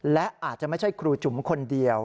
และอาจจะไม่ใช่ครูจุ๋มคนเดียว